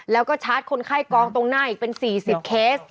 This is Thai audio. แล้วก็ชาร์จคนไข้กองตรงหน้าอีกเป็น๔๐เคส